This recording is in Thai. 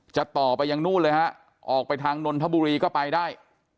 จะต่อไปยังนู่นเลยฮะออกไปทางนนทบุรีก็ไปได้